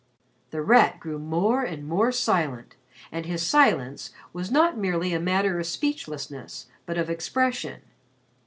The Rat grew more and more silent, and his silence was not merely a matter of speechlessness but of expression.